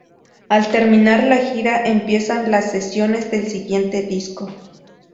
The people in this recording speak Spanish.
Al terminar la gira, empiezan las sesiones del siguiente disco.